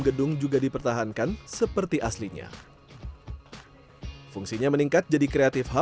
gedung juga dipertahankan seperti aslinya fungsinya meningkat jauh lebih dari sepuluh tahun ke depan